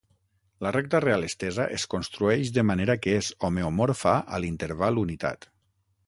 La recta real estesa es construeix de manera que és homeomorfa a l'interval unitat.